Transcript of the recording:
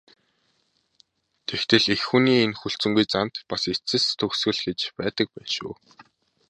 Тэгтэл эх хүний энэ хүлцэнгүй занд бас эцэс төгсгөл гэж байдаг байна шүү.